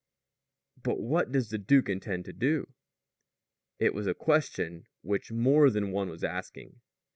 "But what does the duke intend to do?" It was a question which more than one was asking.